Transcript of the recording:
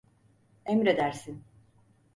Emredersin.